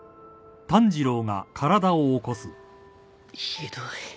ひどい。